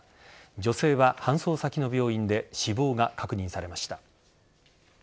女性は搬送先の病院で死亡が確認されました。